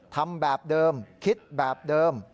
ทำแบบเดิมคิดแบบเดิม